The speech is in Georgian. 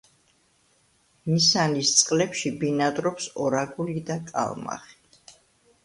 ნისანის წყლებში ბინადრობს ორაგული და კალმახი.